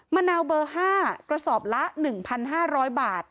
มะนาวเบอร์๕กระสอบละ๑๕๐๐บาท